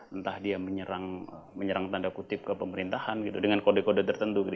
entah dia menyerang tanda kutip ke pemerintahan gitu dengan kode kode tertentu gitu